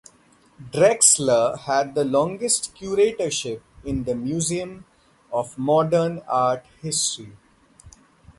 Drexler had the longest curatorship in the Museum of Modern Art history.